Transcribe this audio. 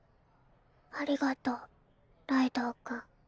ありがとうライドウ君。